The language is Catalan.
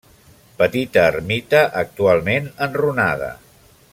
Petita ermita actualment enrunada.